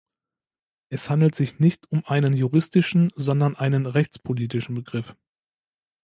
Es handelt sich nicht um einen juristischen, sondern einen rechtspolitischen Begriff.